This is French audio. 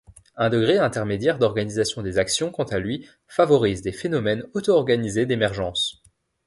Un degré intermédiaire d’organisation des actions, quant à lui, favorise des phénomènes auto-organisés d’émergence.